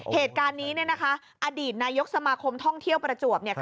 เหตุการณ์นี้อดีตนายกสมาคมท่องเที่ยวประจวบ